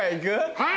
はい！